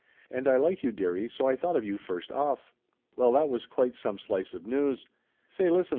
And I like you, dearie, so I thought of you first off." Well, that was quite some slice of news. "Say listen